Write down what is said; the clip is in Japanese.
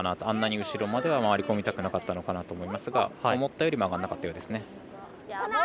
あんなに後ろまでは回り込みたくなかったのかなと思いますが思ったより曲がんなかったようですね。